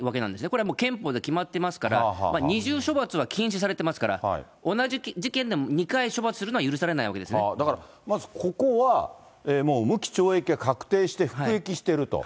これはもう憲法で決まってますから、二重処罰は禁止されてますから、同じ事件でも２回処罰するのは許だからまずここは、もう無期懲役が確定して服役していると。